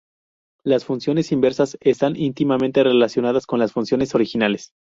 Las funciones inversas están íntimamente relacionadas con las funciones originales.